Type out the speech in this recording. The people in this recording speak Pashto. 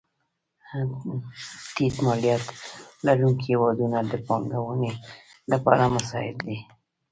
ټیټ مالیات لرونکې هېوادونه د پانګونې لپاره مساعد دي.